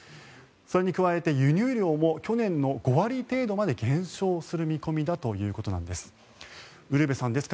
それに加えて輸入量も去年の５割程度まで減少する見込みだということなんです。